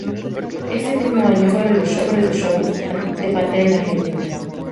Ese mismo año además, abre los shows de Pantera en Argentina.